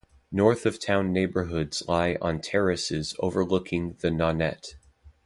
North of town neighborhoods lie on terraces overlooking the Nonette.